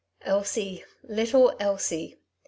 Elsie, little Elsie